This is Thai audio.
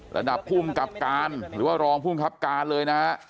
ระดับภูมิกับการหรือว่ารองภูมิครับการเลยนะฮะ